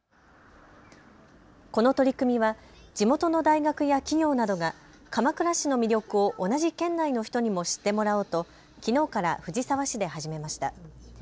この取り組みは地元の大学や企業などが鎌倉市の魅力を同じ県内の人にも知ってもらおうときのうから藤沢市で始めました。